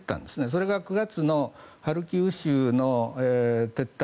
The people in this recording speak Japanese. それが９月のハルキウ州の撤退。